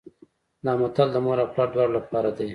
دا متل د مور او پلار دواړو لپاره دی